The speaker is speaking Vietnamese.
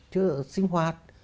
chứ sinh hoạt